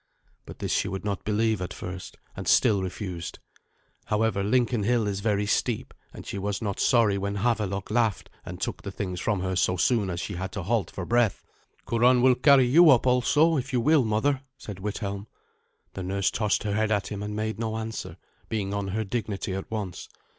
But this she would not believe at first, and still refused. However, Lincoln Hill is very steep, and she was not sorry when Havelok laughed and took the things from her so soon as she had to halt for breath. "Curan will carry you up also, if you will, mother," said Withelm. The nurse tossed her head at him and made no answer, being on her dignity at once.